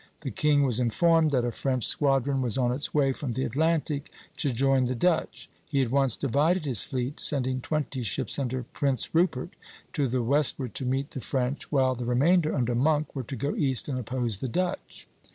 The king was informed that a French squadron was on its way from the Atlantic to join the Dutch. He at once divided his fleet, sending twenty ships under Prince Rupert to the westward to meet the French, while the remainder under Monk were to go east and oppose the Dutch.